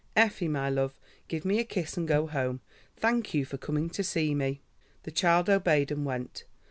"Effie, my love, give me a kiss and go home. Thank you for coming to see me." The child obeyed and went.